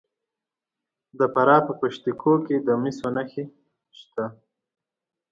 د فراه په پشت کوه کې د مسو نښې شته.